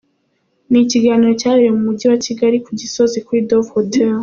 Ni ikiganiro cyabereye mu Mujyi wa Kigali, ku Gisozi, kuri Dove Hotel .